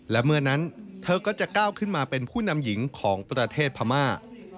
และเมื่อนั้นเธอก็จะก้าวขึ้นมาเป็นผู้นำหญิงของประเทศพม่า